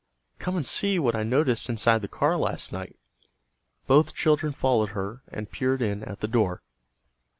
"Come and see what I noticed inside the car last night!" Both children followed her, and peered in at the door.